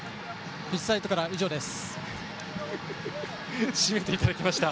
ピッチサイドから以上です。